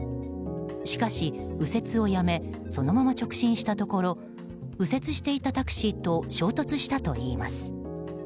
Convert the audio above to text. しかし右折をやめそのまま直進したところ右折していたタクシーと衝突したといいます。